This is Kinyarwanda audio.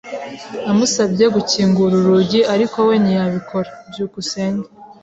Namusabye gukingura urugi, ariko we ntiyabikora. byukusenge